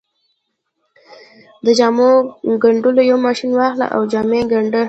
د جامو ګنډلو يو ماشين واخله او جامې ګنډه.